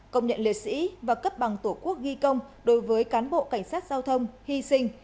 công nhận liệt sĩ và cấp bằng tổ quốc ghi công đối với cán bộ cảnh sát giao thông hy sinh